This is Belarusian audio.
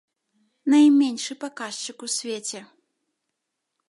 Найменшы паказчык у свеце.